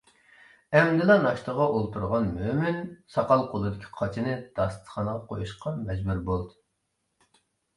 ئەمدىلا ناشتىغا ئولتۇرغان مۆمىن ساقال قولىدىكى قاچىنى داستىخانغا قويۇشقا مەجبۇر بولدى.